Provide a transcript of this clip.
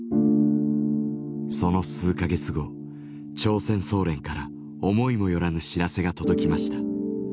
その数か月後朝鮮総連から思いもよらぬ知らせが届きました。